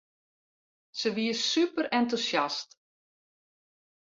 Sy wie superentûsjast.